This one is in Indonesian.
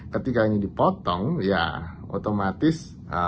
ketika ini dipotong ya otomatis